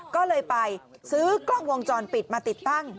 ก็เลยไปซื้อกล้องวงจรปิดมาติดตั้ง